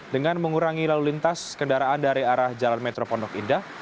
dengan mengurangi lalu lintas kendaraan dari arah jalan metro pondok indah